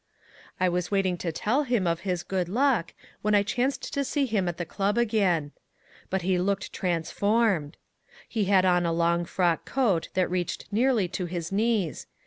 I was waiting to tell him of his good luck, when I chanced to see him at the club again. But he looked transformed. He had on a long frock coat that reached nearly to his knees.